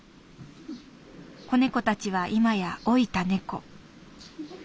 子猫たちは今や老いた猫」。